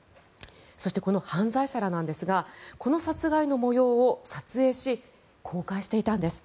そして、この犯罪者らなんですがこの殺害の模様を撮影し公開していたんです。